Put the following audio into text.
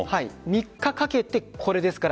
３日かけてこれですから。